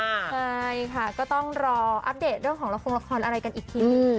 ใช่ค่ะก็ต้องรออัปเดตเรื่องของละครละครอะไรกันอีกทีหนึ่ง